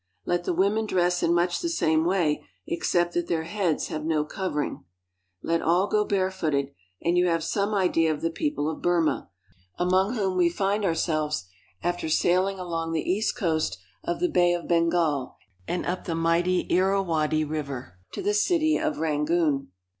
Let the women dress in much the same way, except that their heads have no covering. Let all go barefooted, and you have some idea of the people of Burma, among whom we find our selves after sailing along the east coast of the Bay of Bengal and up the mighty Irawadi (ir a wa'di) River to the city of Rangoon.